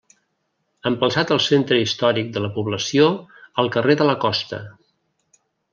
Emplaçat al centre històric de la població, al carrer de la Costa.